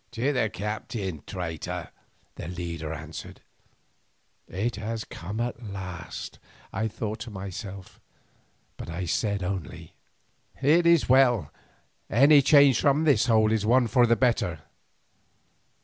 "To the captain, traitor," their leader answered. "It has come at last," I thought to myself, but I said only: "It is well. Any change from this hole is one for the better."